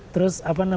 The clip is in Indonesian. terus apa namanya